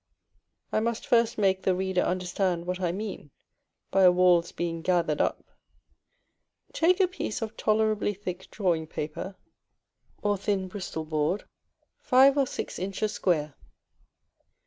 I must first make the reader understand what I mean by a wall's being gathered up. Take a piece of tolerably thick drawing paper, or thin Bristol board, five or six inches square.